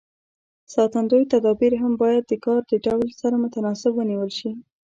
ساتندوی تدابیر هم باید د کار د ډول سره متناسب ونیول شي.